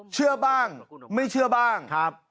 เชื่อบ้างไม่เชื่อบ้าง